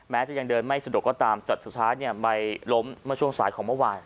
จะยังเดินไม่สะดวกก็ตามแต่สุดท้ายไปล้มเมื่อช่วงสายของเมื่อวาน